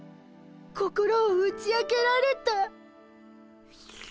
心を打ち明けられた。